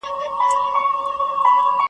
یوه ښځه یو مېړه له دوو ښارونو .